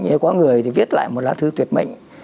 nhưng có người thì viết lại một lá thư tuyệt mệnh